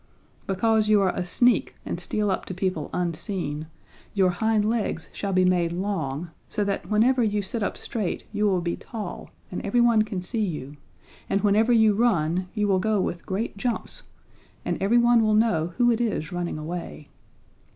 Because you are a sneak and steal up to people unseen, your hind legs shall be made long, so that whenever you sit up straight you will be tall and every one can see you, and whenever you run, you will go with great jumps, and every one will know who it is running away.